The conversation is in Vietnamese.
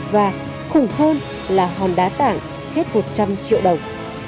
và khủng hơn là hòn đá tảng hết một trăm linh triệu đồng